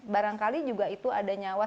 barangkali juga itu ada nyawa